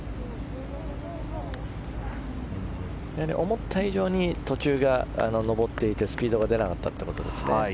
思った以上に途中が上っていてスピードが出なかったということですね。